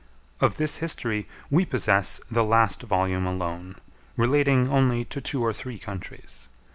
Of this history we possess the last volume alone, relating only to two or three countries.